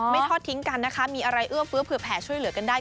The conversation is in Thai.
ทอดทิ้งกันนะคะมีอะไรเอื้อเฟื้อเผื่อแผ่ช่วยเหลือกันได้